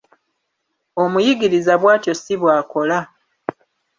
Omuyigiriza bw'atyo ssi bw'akola.